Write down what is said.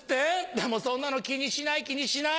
でもそんなの気にしない気にしない。